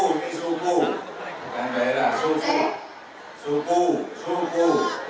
suku suku bukan daerah suku suku suku